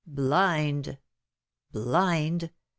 Blind! blind!"